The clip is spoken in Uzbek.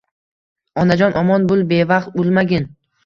Onajon omon bul bevaqt ulmagin